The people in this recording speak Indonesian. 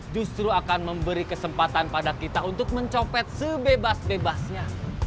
justru akan memberi kesempatan pada kita untuk mencopet sebebas bebasnya